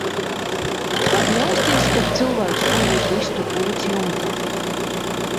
Ko bļausties, kad cilvēks guļ uz vistu kūts jumta?